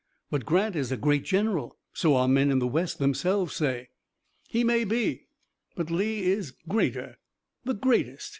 "But Grant is a great general. So our men in the West themselves say." "He may be, but Lee is greater, greatest.